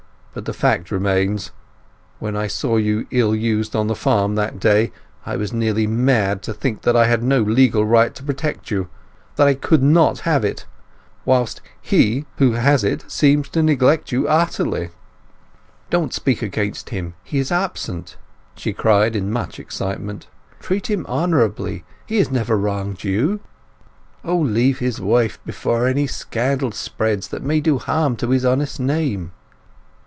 But the fact remains. When I saw you ill used on the farm that day I was nearly mad to think that I had no legal right to protect you—that I could not have it; whilst he who has it seems to neglect you utterly!" "Don't speak against him—he is absent!" she cried in much excitement. "Treat him honourably—he has never wronged you! O leave his wife before any scandal spreads that may do harm to his honest name!"